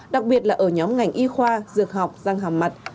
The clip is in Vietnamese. đặc biệt là ở nhóm ngành y khoa dược học răng hàm mặt